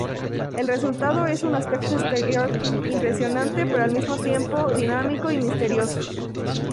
El resultado es un aspecto exterior impresionante, pero al mismo tiempo dinámico y misterioso.